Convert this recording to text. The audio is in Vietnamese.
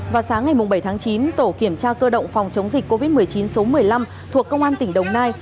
vào sáng ngày bảy tháng chín tổ kiểm tra cơ động phòng chống dịch covid một mươi chín số một mươi năm thuộc công an tỉnh đồng nai